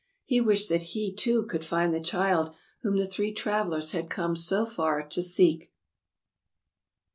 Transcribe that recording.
He wished that he, too, could find the child whom the three travelers had come so far to seek.